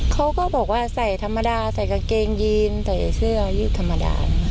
เขาก็บอกว่าใส่ธรรมดาใส่กางเกงยีนใส่เสื้อยืดธรรมดา